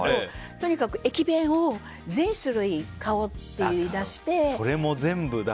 とにかく駅弁を全種類買おうって言い出して。